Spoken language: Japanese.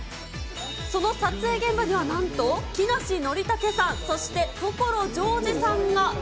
その撮影現場にはなんと、木梨憲武さん、そして所ジョージさんが。